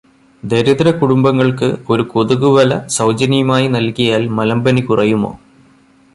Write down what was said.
ദരിദ്രകുടുംബങ്ങൾക്ക് ഒരു കൊതുകുവല സൗജന്യമായി നൽകിയാൽ മലമ്പനി കുറയുമോ?